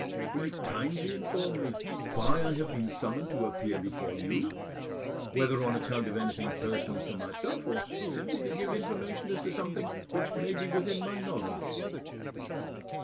Will you kindly inform me why I have been summoned to appear before you, whether on account of anything personal to myself, or simply to give information as to something which may be within my knowledge?"